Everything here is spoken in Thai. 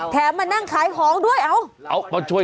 แถมมานั่งขายของด้วยเอ้า